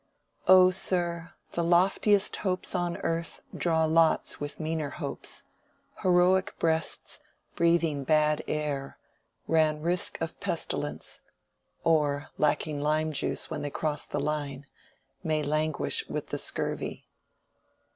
"Oh, sir, the loftiest hopes on earth Draw lots with meaner hopes: heroic breasts, Breathing bad air, run risk of pestilence; Or, lacking lime juice when they cross the Line, May languish with the scurvy."